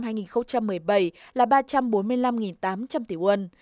năm hai nghìn một mươi bảy là ba trăm bốn mươi năm tám trăm linh tỷ won